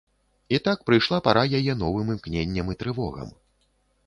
І так прыйшла пара яе новым імкненням і трывогам.